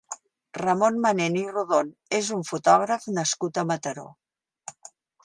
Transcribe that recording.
Ramon Manent i Rodon és un fotògraf nascut a Mataró.